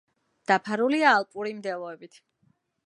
დაფარულია ალპური მდელოებით.